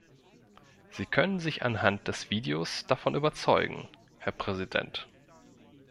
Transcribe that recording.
Sie können sich anhand des Videos davon überzeugen, Herr Präsident.